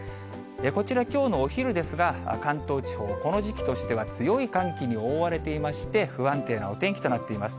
こちら、きょうのお昼ですが、関東地方、この時期としては強い寒気に覆われていまして、不安定なお天気となっています。